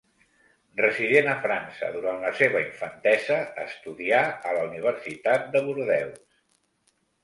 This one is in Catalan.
Resident a França durant la seva infantesa, estudià a la Universitat de Bordeus.